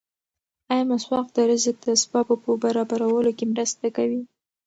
ایا مسواک د رزق د اسبابو په برابرولو کې مرسته کوي؟